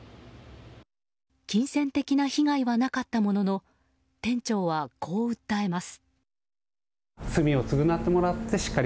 金銭的な被害はなかったものの店長はこう訴えます。